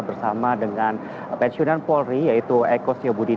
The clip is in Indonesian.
bersama dengan pensiunan polri yaitu eko syobudi